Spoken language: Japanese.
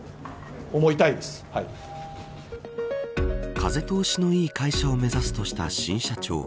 風通しのいい会社を目指すとした新社長。